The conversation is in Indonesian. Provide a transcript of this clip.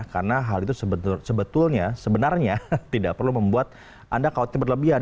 karena hal itu sebetulnya sebenarnya tidak perlu membuat anda khawatir berlebihan